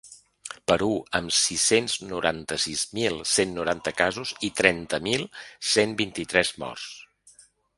Perú, amb sis-cents noranta-sis mil cent noranta casos i trenta mil cent vint-i-tres morts.